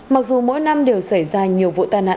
mặc dù mỗi năm đều xảy ra nhiều vụ tai nạn